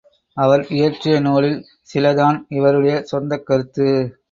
அவர் இயற்றிய நூலில் சிலதான் அவருடைய சொந்தக் கருத்து.